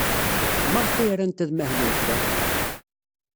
Maɣef ay rant ad mahlent da?